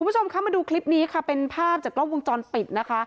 คุณผู้ชมคะมาดูคลิปนี้ค่ะเป็นภาพจากกล้องวงจรปิดนะคะ